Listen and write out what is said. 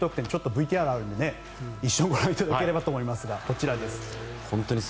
ＶＴＲがあるので一緒にご覧いただければと思いますがこちらです。